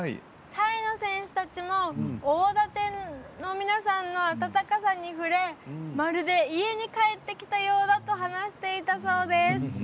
タイの選手たちも大館の皆さんの温かさに触れまるで家に帰ってきたようだと話していたそうです。